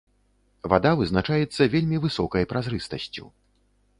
Вада вызначаецца вельмі высокай празрыстасцю.